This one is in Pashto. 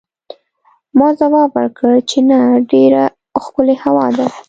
ما ځواب ورکړ چې نه، ډېره ښکلې هوا ده.